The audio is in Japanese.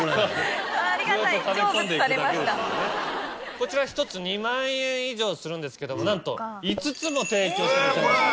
こちら１つ２万円以上するんですけどもなんと５つも提供してくださいました。